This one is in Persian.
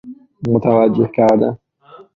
متوجه کردن